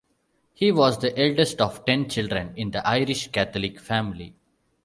He was the eldest of ten children in the Irish Catholic family.